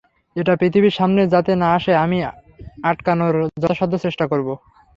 এটা পৃথিবীর সামনে যাতে না আসে আমি আটকানোর যথাসাধ্য চেষ্টা করব।